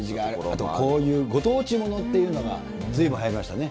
あとこういうご当地物っていうのがずいぶんはやりましたね。